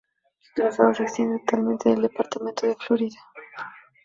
Su trazado se extiende totalmente en el departamento de Florida.